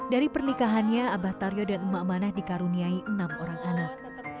dari pernikahannya abah taryo dan emak manah dikaruniai enam orang anak